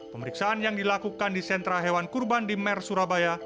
pemeriksaan yang dilakukan di sentra hewan kurban di mer surabaya